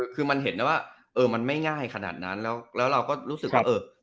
คือมันเห็นนะว่าเออมันไม่ง่ายขนาดนั้นแล้วเราก็รู้สึกว่าเออ